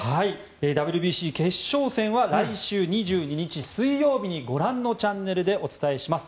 ＷＢＣ決勝戦は来週２２日、水曜日にご覧のチャンネルでお伝えします。